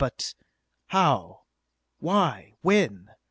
But.... How? Why? When?